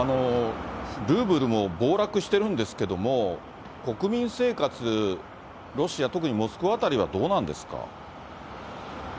ルーブルも暴落してるんですけれども、国民生活、ロシア、特にモスクワ辺りはどうなんですか。